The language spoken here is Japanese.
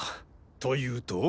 というと？